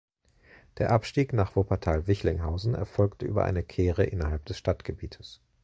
Der Abstieg nach Wuppertal-Wichlinghausen erfolgte über eine Kehre innerhalb des Stadtgebietes.